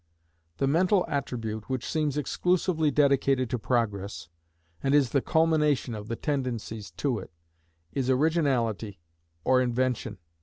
The mental attribute which seems exclusively dedicated to Progress, and is the culmination of the tendencies to it, is Originality, or Invention.